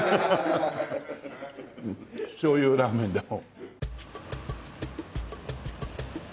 醤油ラーメンでも。